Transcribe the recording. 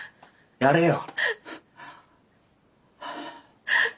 やれよ。